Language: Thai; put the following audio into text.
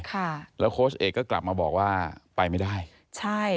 ค่ะแล้วโค้ชเอกก็กลับมาบอกว่าไปไม่ได้ใช่